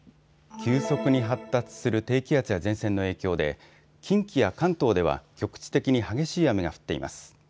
急速に発達する低気圧や前線の影響で近畿や関東では局地的に激しい雨が降っています。